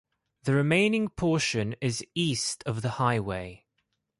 The remaining portion is East of the highway.